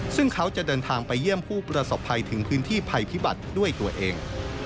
ซึ่งเขาจะเดินทางไปเยี่ยมผู้ประสบภัยถึงพื้นที่ภัยพิบัติด้วยตัวเอง